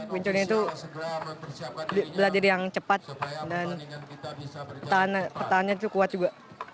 wing chun itu bela diri yang cepat dan pertahannya kuat juga